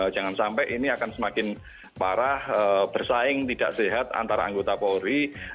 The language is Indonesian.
jangan sampai ini akan semakin parah bersaing tidak sehat antara anggota polri